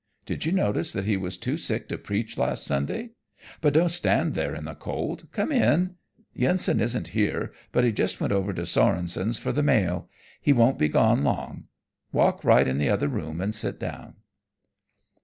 Did you notice that he was too sick to preach last Sunday? But don't stand there in the cold, come in. Yensen isn't here, but he just went over to Sorenson's for the mail; he won't be gone long. Walk right in the other room and sit down."